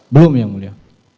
belum yang mulia